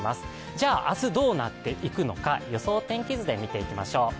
じゃあ、明日、どうなっていくのか、予想天気図で見ていきましょう。